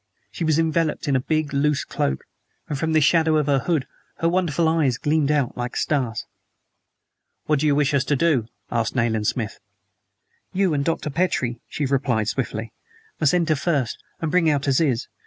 She was enveloped in a big, loose cloak, and from the shadow of the hood her wonderful eyes gleamed out like stars. "What do you wish us to do?" asked Nayland Smith. "You and Dr. Petrie," she replied swiftly, "must enter first, and bring out Aziz.